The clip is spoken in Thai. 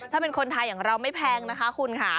ถ้าเป็นคนไทยอย่างเราไม่แพงนะคะคุณค่ะ